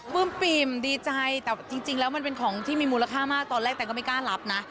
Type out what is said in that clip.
ื้มปิ่มดีใจแต่จริงแล้วมันเป็นของที่มีมูลค่ามากตอนแรกแต่ก็ไม่กล้ารับนะ